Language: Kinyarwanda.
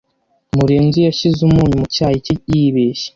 Murenzi yashyize umunyu mu cyayi cye yibeshya.